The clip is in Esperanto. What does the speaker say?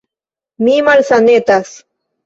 Mi malsanetas.